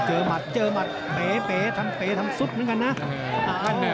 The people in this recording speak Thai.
เจอหมัดเจอหมัดเป๋เป๋ทำเป๋ทำซุ๊บเหมือนกันนะ